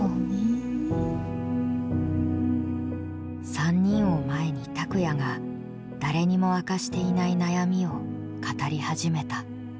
３人を前にたくやが誰にも明かしていない悩みを語り始めた。